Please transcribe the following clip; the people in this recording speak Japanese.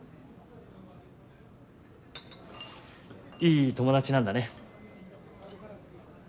いい友達なんだね。